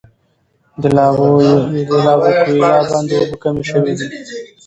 د لابوکویلا بند اوبه کمې شوي دي.